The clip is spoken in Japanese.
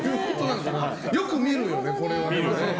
よく見るよね、これね。